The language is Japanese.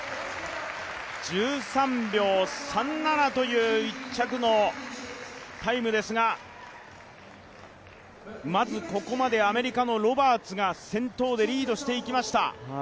１３秒３７という１着のタイムですが、まず、ここまでアメリカのロバーツが先頭でリードしていきました。